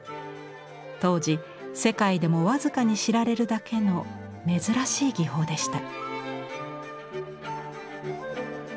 当時世界でも僅かに知られるだけの珍しい技法でした。